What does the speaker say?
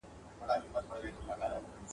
او د هندوستان اما دهرتي د لمانځني وړ وې